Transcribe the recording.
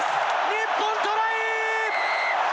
日本トライ！